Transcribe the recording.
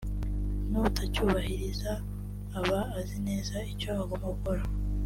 n’utacyubahiriza aba azi neza icyo agomba gukora